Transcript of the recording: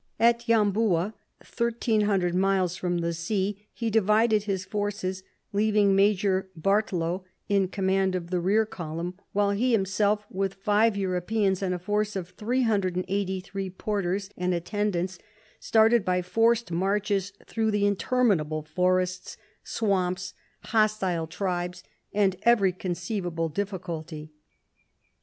At Yambuya, 1,300 miles from the sea, he divided his forces, leaving Major Barttelot in command of the rear column, while he himself, with five Europeans and a force of 383 porters and attendants, started by forced marches through interminable forests, swamps, hostile tribes, and every conceivable difficulty.